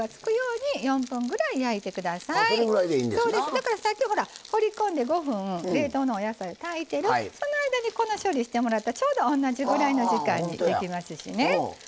だからさっきほら放り込んで５分冷凍のお野菜炊いてるその間にこの処理してもらったらちょうど同じぐらいの時間にできますしね。